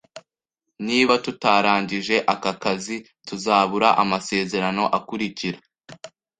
Niba tutarangije aka kazi, tuzabura amasezerano akurikira